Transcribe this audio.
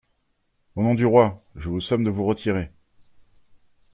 Au nom du Roi, je vous somme de vous retirer!